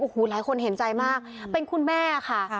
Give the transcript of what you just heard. โอ้โหหลายคนเห็นใจมากเป็นคุณแม่ค่ะ